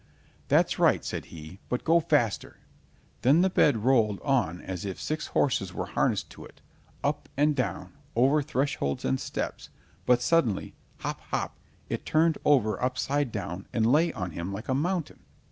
"That's right," said he, "but go faster." Then the bed rolled on as if six horses were harnessed to it, up and down, over thresholds and steps, but suddenly, hop, hop, it turned over upside down, and lay on him like a mountain.